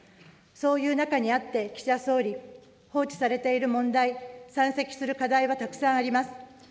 そういう中にあって、岸田総理、放置されている問題、山積する課題はたくさんあります。